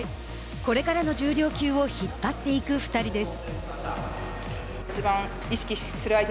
これからの重量級を引っ張っていく２人です。